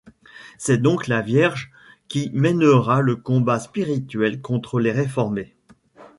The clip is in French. C'est donc la Vierge qui mènera le combat spirituel contre les réformés.